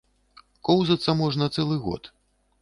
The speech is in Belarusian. Коўзацца можна цэлы год.